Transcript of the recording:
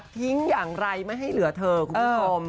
ทิ้งอย่างไรไม่ให้เหลือเธอคุณผู้ชม